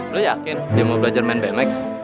beliau yakin dia mau belajar main bmx